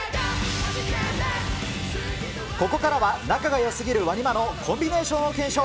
ここからは仲がよすぎるＷＡＮＩＭＡのコンビネーションを検証。